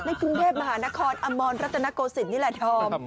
กรุงเทพมหานครอมรรัตนโกศิลปนี่แหละดอม